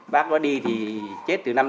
bác bác đi thì chết từ năm tám mươi